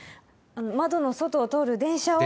窓の外を通る電車を。